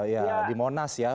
ya di monas ya